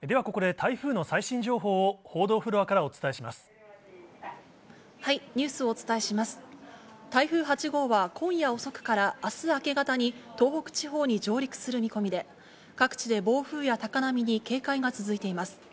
台風８号は今夜遅くから明日明け方に東北地方に上陸する見込みで、各地で暴風や高波に警戒が続いています。